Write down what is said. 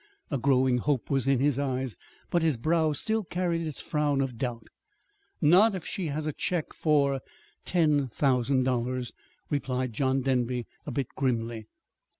A growing hope was in his eyes, but his brow still carried its frown of doubt. "Not if she has a check for ten thousand dollars," replied John Denby, a bit grimly.